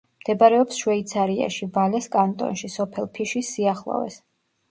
მდებარეობს შვეიცარიაში, ვალეს კანტონში, სოფელ ფიშის სიახლოვეს.